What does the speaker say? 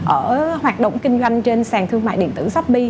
ở hoạt động kinh doanh trên sàn thương mại điện tử shopee